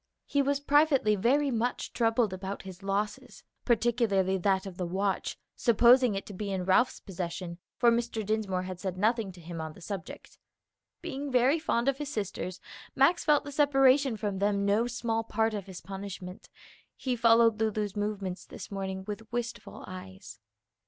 He was privately very much troubled about his losses, particularly that of the watch, supposing it to be in Ralph's possession, for Mr. Dinsmore had said nothing to him on the subject. Being very fond of his sisters, Max felt the separation from them no small part of his punishment; he followed Lulu's movements this morning with wistful eyes.